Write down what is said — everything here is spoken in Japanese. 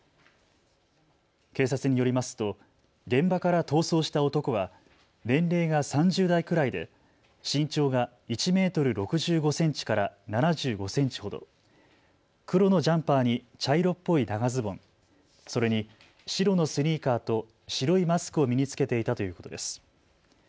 警察によりますと現場から逃走した男は年齢が３０代くらいで身長が１メートル６５センチから７５センチほど、黒のジャンパーに茶色っぽい長ズボン、それに白のスニーカーと白いマスクを身に着けていたということです。